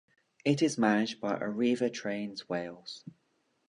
It is managed by Arriva Trains Wales.